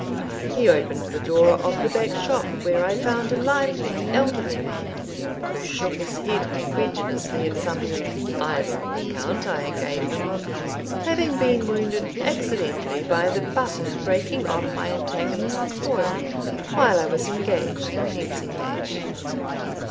He opened the door of the back shop, where I found a lively elderly man, who shook his head incredulously at some idle account I gave him of having been wounded accidentally by the button breaking off my antagonist's foil while I was engaged in a fencing match.